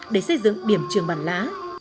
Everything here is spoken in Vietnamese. để xây dựng điểm trường bản lá